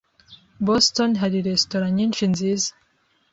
Boston hari resitora nyinshi nziza.